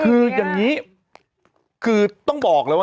สิ่งดีเข้ามา